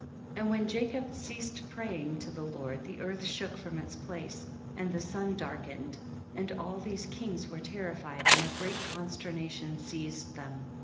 17. And when Jacob ceased pray ing to the Lord the earth shook from its place, and the sun darkened, and all these kings were terrified and a great consternation seized them.